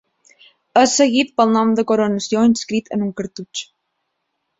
És seguit pel nom de coronació inscrit en un cartutx.